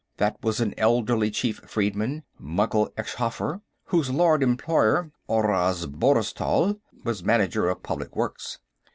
That was an elderly chief freedman, Mykhyl Eschkhaffar, whose Lord Employer, Oraze Borztall, was Manager of Public Works.